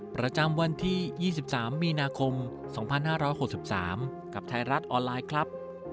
ประจำวันที่๒๓มีนาคม๒๕๖๓กับไทยรัฐออนไลน์ครับ